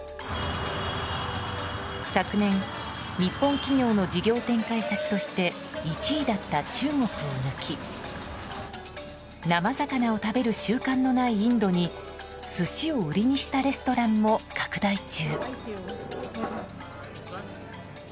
昨年、日本企業の事業展開先として１位だった中国を抜き生魚を食べる習慣のないインドに寿司を売りにしたレストランも拡大中。